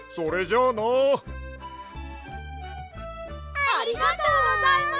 ありがとうございます！